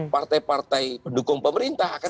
partai partai pendukung pemerintah akan